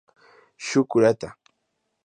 Shū Kurata